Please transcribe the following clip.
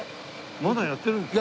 まだやってるんですか？